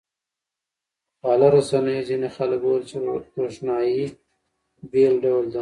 خواله رسنیو ځینې خلک وویل چې روښنايي بېل ډول ده.